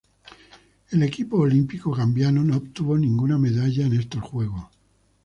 El equipo olímpico gambiano no obtuvo ninguna medalla en estos Juegos.